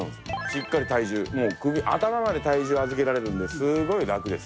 しっかり体重頭まで体重預けられるんですごいラクです。